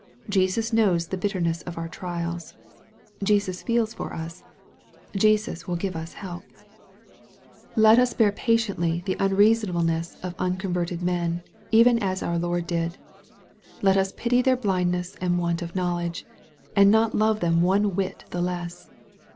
Jesus knows the bitterness of our trials. Jesus feels for us. Jesus will give us help. MARK, CHAP. III. 53 Let us bear patiently the unreasonableness of uncon verted men, even as o ar Lord did. Let us pity their blindness and want of knowledge, and not love them one whit the less.